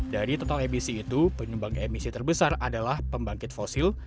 dari total emisi itu penyumbang emisi terbesar adalah pembangkit fosil